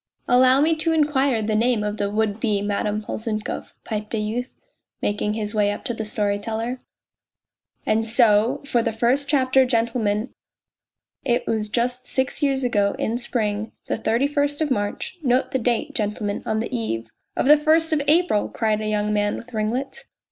" Allow me to inquire the name of the would be Madame Polzunkov," piped a youth, making his way up to the storyteller. " And so for the first chapter, gentlemen. It was just six years ago, in spring, the thirty first of March note the date, gentlemen on the eve ..."" Of the first of April !" cried a young man with ringlets.